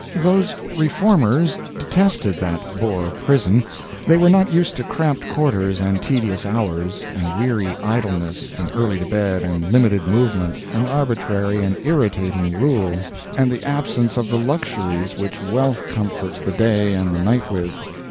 Those Reformers detested that Boer prison; they were not used to cramped quarters and tedious hours, and weary idleness, and early to bed, and limited movement, and arbitrary and irritating rules, and the absence of the luxuries which wealth comforts the day and the night with.